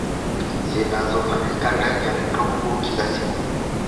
Zinazofanyika ndani ya mto huo kila siku